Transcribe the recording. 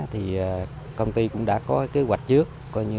thì công ty cũng đã có kế hoạch trước